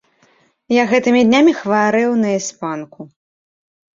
Я гэтымі днямі хварэў на іспанку.